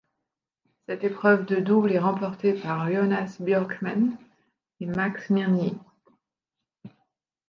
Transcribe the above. Cette épreuve de double est remportée par Jonas Björkman et Max Mirnyi.